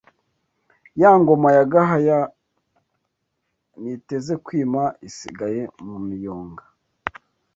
Ya ngoma ya Gahaya Ntiteze kwima isigaye mu miyonga